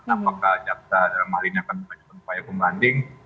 apakah jaksa dan mahlinya akan mengajukan upaya pembanding